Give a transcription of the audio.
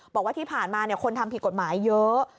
บอกว่าที่ผ่านมาคนทำผิดกฎหมายเยอะ